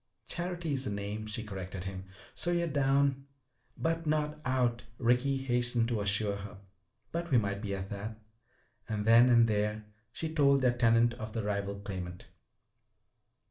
"Charity is the name," she corrected him. "So you're down " "But not out!" Ricky hastened to assure her. "But we might be that." And then and there she told their tenant of the rival claimant.